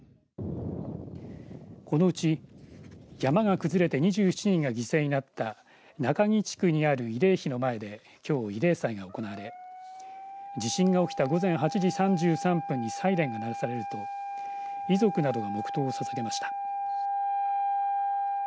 このうち山が崩れて２７人が犠牲になった中木地区にある慰霊碑の前できょう慰霊祭が行われ地震が起きた午前８時３３分にサイレンが鳴らされると遺族などが黙とうをささげました。